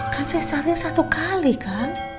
kan cesar nya satu kali kang